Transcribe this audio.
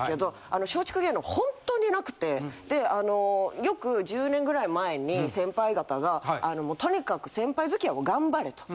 あの松竹芸能ほんとになくてでよく１０年ぐらい前に先輩方がとにかく先輩付き合いを頑張れと。